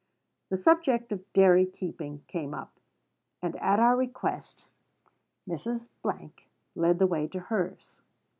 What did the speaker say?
The subject of dairy keeping came up; and, at our request, Mrs. led the way to hers.